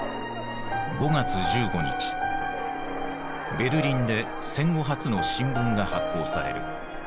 ベルリンで戦後初の新聞が発行される。